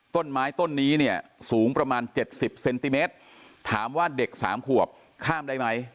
ต้นไม้ต้นนี้เนี่ยสูงประมาณ๗๐เซนติเมตรถามว่าเด็กสามขวบข้ามได้ไหม